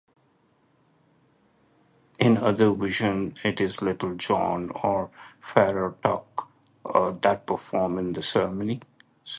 In other versions it is Little John or Friar Tuck that performs the ceremony.